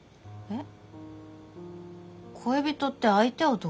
えっ？